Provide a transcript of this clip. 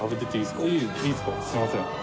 すいません。